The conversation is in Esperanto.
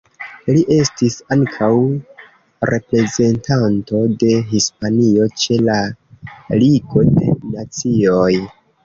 Li estis ankaŭ reprezentanto de Hispanio ĉe la Ligo de Nacioj.